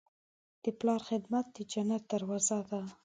د پلار خدمت د جنت دروازه ده.